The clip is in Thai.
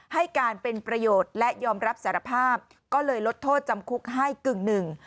ให้การเป็นประโยชน์และยอมรับสารภาพก็เลยลดโทษจำคุกให้กึ่งหนึ่ง